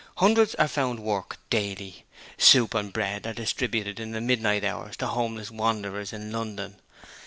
Hundreds are found work daily. Soup and bread are distributed in the midnight hours to homeless wanderers in London.